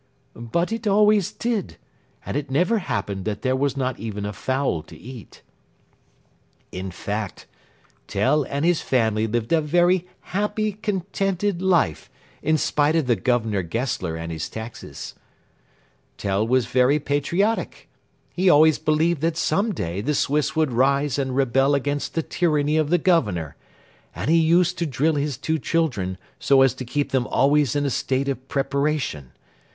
But it always did, and it never happened that there was not even a fowl to eat. [Illustration: Frontispiece] In fact, Tell and his family lived a very happy, contented life, in spite of the Governor Gessler and his taxes. Tell was very patriotic. He always believed that some day the Swiss would rise and rebel against the tyranny of the Governor, and he used to drill his two children so as to keep them always in a state of preparation.